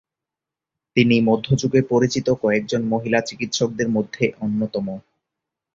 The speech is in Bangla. তিনি মধ্যযুগে পরিচিত কয়েকজন মহিলা চিকিৎসকের মধ্যে অন্যতম।